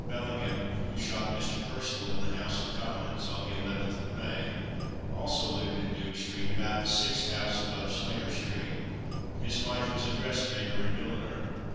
In 1812, Bellingham, who shot Mr. Percival in the House of Commons, on the 11th of May, also lived in Duke street, about the sixth house above Slater street. His wife was a dressmaker and milliner.